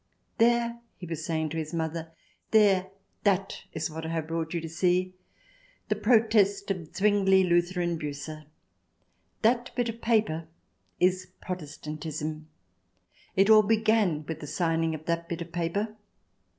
" There," he was saying to his mother —" there, that is what I have brought you to see. The Protest of Zwingli, Luther, and Bucer. That bit of paper is Protestantism. It all began with the signing of that bit of paper."